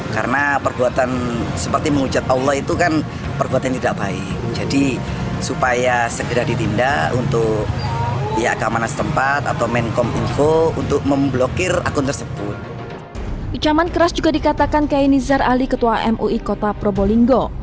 kecaman keras juga dikatakan kay nizar ali ketua mui kota probolinggo